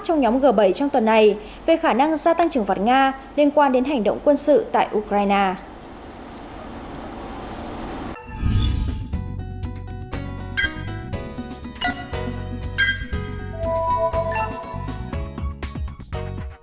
trong nhóm g bảy trong tuần này về khả năng gia tăng trừng phạt nga liên quan đến hành động quân sự tại ukraine